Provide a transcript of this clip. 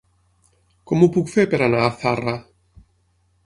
Com ho puc fer per anar a Zarra?